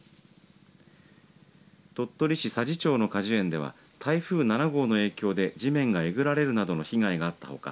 鳥取市佐治町の果樹園では台風７号の影響で地面がえぐられるなどの被害があったほか